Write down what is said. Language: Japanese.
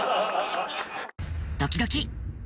ドキドキ。